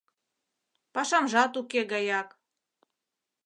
— Пашамжат уке гаяк...